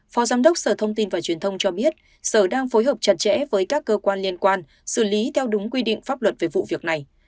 phó giám đốc sở thông tin và truyền thông cho biết sở đang phối hợp chặt chẽ với các cơ quan liên quan xử lý theo đúng quy định pháp luật về vụ việc này